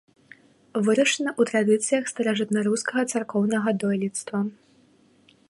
Вырашана ў традыцыях старажытнарускага царкоўнага дойлідства.